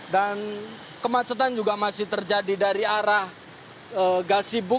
dan kemacetan juga masih terjadi dari arah gasi bu